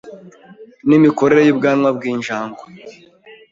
n’imikorere y’ubwanwa bw’injangwe